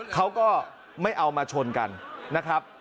เขาก็ไม่เอามาชนกันนะครับ